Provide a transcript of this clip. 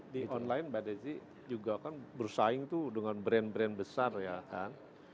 di online mbak desi juga kan bersaing tuh dengan brand brand besar ya kan